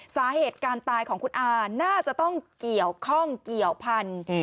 สาเหตุการตายของคุณอาน่าจะต้องเกี่ยวข้องเกี่ยวพันธุ์